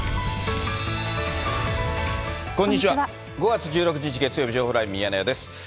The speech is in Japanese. ５月１６日月曜日、情報ライブミヤネ屋です。